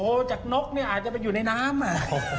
โอ้โหนกเนี่ยอาจจะอยู่ในน้ำ